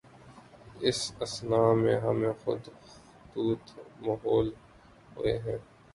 اس اثنا میں ہمیں جو خطوط موصول ہوئے ہیں